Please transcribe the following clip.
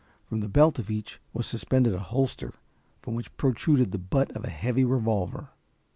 From the belt of each was suspended a holster from which protruded the butt of a heavy revolver.